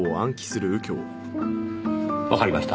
わかりました。